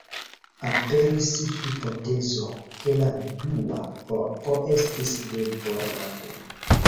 Aperis hipotezo, ke la dua korpo estis de Bormann.